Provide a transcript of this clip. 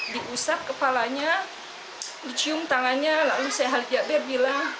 diusap kepalanya dicium tangannya lalu sheikh ali jaber bilang